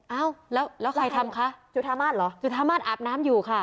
เอ้าแล้วแล้วใครทำคะจุธามาศเหรอจุธามาสอาบน้ำอยู่ค่ะ